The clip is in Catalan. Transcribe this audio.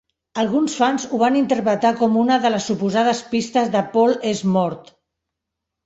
Alguns fans ho van interpretar com una de les suposades pistes de "Paul és mort".